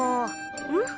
うん？